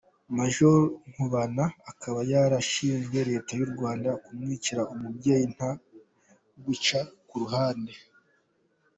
Major Nkubana akaba yarashinje Leta y’u Rwanda kumwicira umubyeyi nta guca ku ruhande.